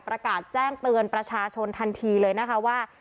ประกาศแจ้งเตือนประชาชนทันทีเลยนะคะว่า